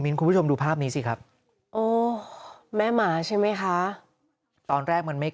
คุณผู้ชมดูภาพนี้สิครับโอ้แม่หมาใช่ไหมคะตอนแรกมันไม่